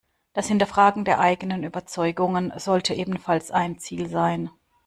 Das Hinterfragen der eigenen Überzeugungen sollte ebenfalls ein Ziel sein.